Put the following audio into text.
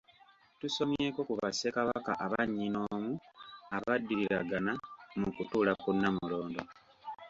Tusomyeko ku Bassekabaka abannyinoomu abaddiriragana mu kutuula ku Nnamulondo.